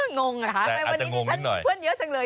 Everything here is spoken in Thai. งงอ่ะคะแต่วันนี้ฉันเพื่อนเยอะจังเลย